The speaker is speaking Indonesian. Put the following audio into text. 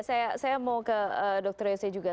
saya mau ke dr yose juga